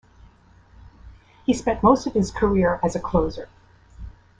He spent most of his career as a closer.